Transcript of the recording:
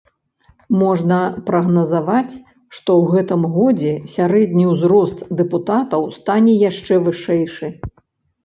Можна прагназаваць, што ў гэтым годзе сярэдні ўзрост дэпутатаў стане яшчэ вышэйшы.